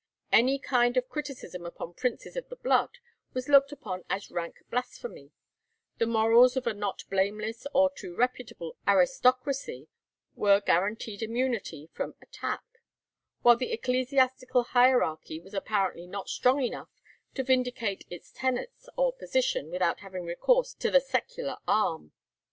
Any kind of criticism upon princes of the blood was looked upon as rank blasphemy; the morals of a not blameless or too reputable aristocracy were guaranteed immunity from attack, while the ecclesiastical hierarchy was apparently not strong enough to vindicate its tenets or position without having recourse to the secular arm.